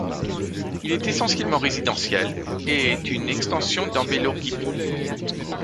Il est essentiellement résidentiel et est une extension d'Ambelókipi.